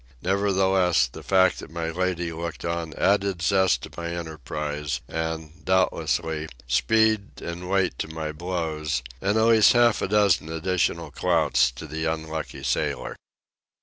Nevertheless, the fact that my lady looked on added zest to my enterprise, and, doubtlessly, speed and weight to my blows, and at least half a dozen additional clouts to the unlucky sailor.